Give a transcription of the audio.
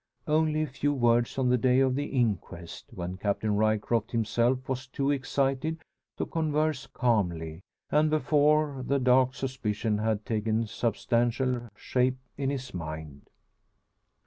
Only a few words on the day of the inquest; when Captain Ryecroft himself was too excited to converse calmly, and before the dark suspicion had taken substantial shape in his mind.